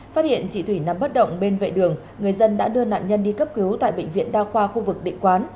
phát hiện chị thủy nằm bất động bên vệ đường người dân đã đưa nạn nhân đi cấp cứu tại bệnh viện đa khoa khu vực địa quán